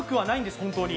本当に。